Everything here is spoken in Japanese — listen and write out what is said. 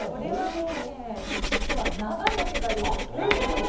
実は、長いが正解です。